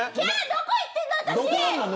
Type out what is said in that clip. どこ行ってるの私。